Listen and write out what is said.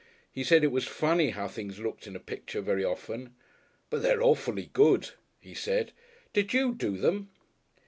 He said it was funny how things looked in a picture very often. "But they're awfully good," he said. "Did you do them?"